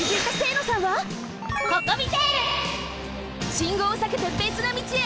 信号をさけてべつの道へ。